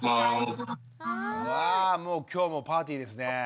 わあもう今日もパーティですね。